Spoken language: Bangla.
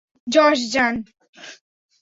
জশ, যান!